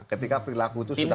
ketika perilaku itu sudah